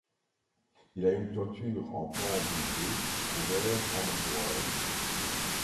Il a une toiture en pans brisé couvert en ardoise.